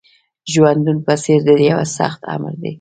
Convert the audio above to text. ژوندون په څېر د یوه سخت آمر دی